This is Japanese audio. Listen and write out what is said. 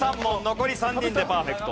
残り３人でパーフェクト。